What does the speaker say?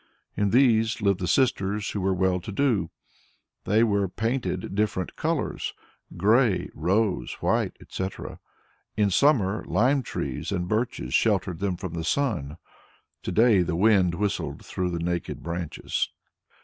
In these lived the sisters who were well to do. They were painted different colours grey, rose, white, etc. In summer lime trees and birches sheltered them from the sun. To day the wind whistled through the naked branches.